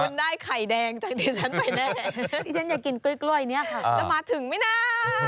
คุณได้ไข่แดงจากที่ฉันไปแน่